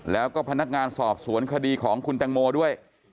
แล้วก็พนักงานสอบสวนคดีของคุณแตงโมด้วย